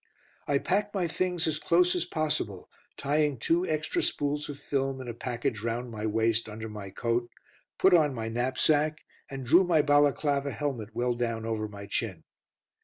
I packed my things as close as possible, tying two extra spools of film in a package round my waist under my coat, put on my knapsack, and drew my Balaclava helmet well down over my chin.